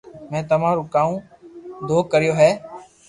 ۾ تمارو ڪاو دوھ ڪريو ھي